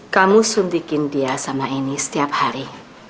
kamu suntikin dia sama ini setiap hari